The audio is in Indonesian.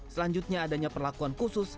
selanjutnya adanya perlakuan khusus